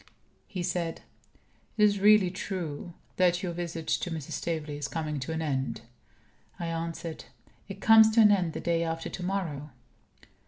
He said: "Is it really true that your visit to Mrs. Staveley is coming to an end?" I answered: "It comes to an end the day after to morrow."